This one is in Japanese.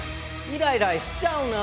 イライラしちゃうの？